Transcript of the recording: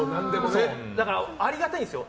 だから、ありがたいんですよ。